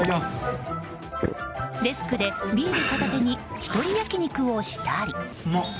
デスクでビール片手に１人焼き肉したり。